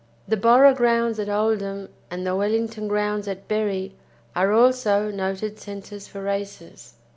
The Borough grounds at Oldham and the Wellington grounds at Bury are also noted centres for races.